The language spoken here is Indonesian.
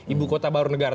ibu kota baru negara